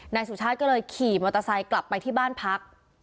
นายสุชาติก็เลยขี่มอเตอร์ไซค์กลับไปที่บ้านพัก